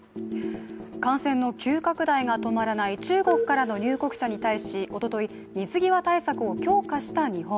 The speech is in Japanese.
感染の急拡大が止まらない中国からの入国者に対しおととい、水際対策を強化した日本。